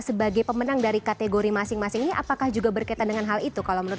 sebagai pemenang dari kategori masing masing ini apakah juga berkaitan dengan hal itu kalau menurut